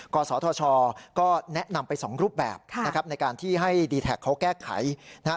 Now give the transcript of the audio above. กศธชก็แนะนำไปสองรูปแบบนะครับในการที่ให้ดีแท็กเขาแก้ไขนะครับ